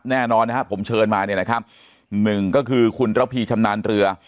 แน่นอนนะครับผมเชิญมาเนี่ยนะครับหนึ่งก็คือคุณระพีชำนาญเรือ